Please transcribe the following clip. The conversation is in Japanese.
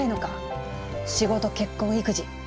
仕事結婚育児。